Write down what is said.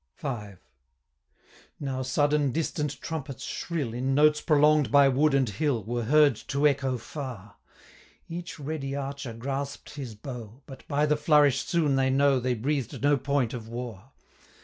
V. Now sudden, distant trumpets shrill, In notes prolong'd by wood and hill, 95 Were heard to echo far; Each ready archer grasp'd his bow, But by the flourish soon they know, They breathed no point of war.